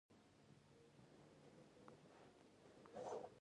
هغه له کابل څخه را ونه ووت.